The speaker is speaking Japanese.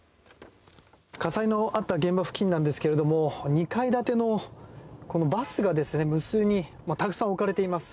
火災のあった現場付近なんですけれども２階建てのバスが無数にたくさん置かれています。